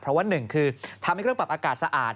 เพราะว่า๑ทำให้เครื่องปรับอากาศสะอาด